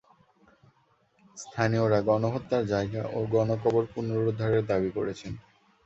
স্থানীয়রা গণহত্যার জায়গা ও গণকবর পুনরুদ্ধারের দাবি করেছে।